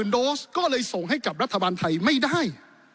โดสก็เลยส่งให้กับรัฐบาลไทยไม่ได้